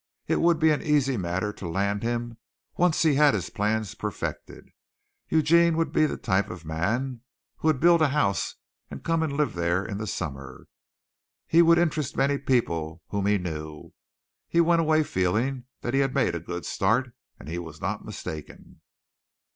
It would be an easy matter to land him once he had his plans perfected. Eugene would be the type of man who would build a house and come and live there in the summer. He would interest many people whom he knew. He went away feeling that he had made a good start, and he was not mistaken.